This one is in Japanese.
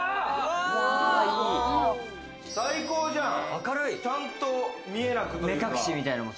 最高じゃん！ちゃんと見えなくなってる。